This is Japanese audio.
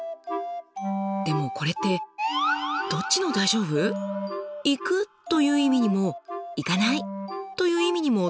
でもこれってどっちの「大丈夫」？「行く」という意味にも「行かない」という意味にも取れますよね。